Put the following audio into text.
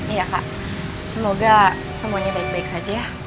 iya kak semoga semuanya baik baik saja